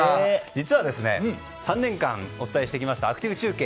実は、３年間お伝えしてきましたアクティブ中継